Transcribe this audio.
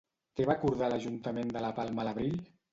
Què va acordar l'Ajuntament de la Palma a l'abril?